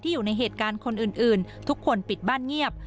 อยู่ในเหตุการณ์คนอื่นทุกคนปิดบ้านเงียบ